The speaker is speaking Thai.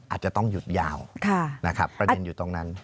อาจจะต้องหยุดยาวนะครับประเด็นอยู่ตรงนั้น